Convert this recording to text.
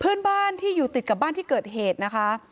เพื่อนบ้านที่อยู่ติดกับบ้านที่เกิดเหตุนะคะ